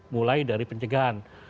mulai dari pencegahan